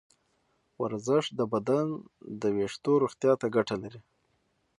ورزش د بدن د ویښتو روغتیا ته ګټه لري.